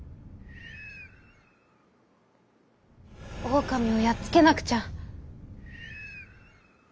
「オオカミをやっつけなくちゃ」。